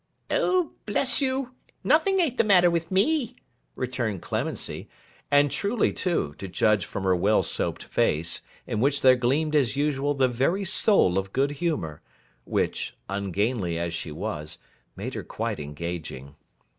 'Oh, bless you, nothing an't the matter with me,' returned Clemency—and truly too, to judge from her well soaped face, in which there gleamed as usual the very soul of good humour, which, ungainly as she was, made her quite engaging.